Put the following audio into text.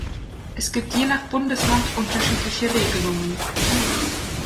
Es gibt je nach Bundesland unterschiedliche Regelungen.